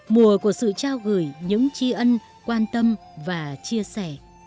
mùa của sự trao gửi những chi ơn quan tâm và chia sẻ